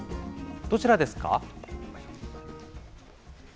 どちらですか？